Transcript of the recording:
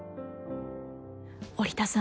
織田さん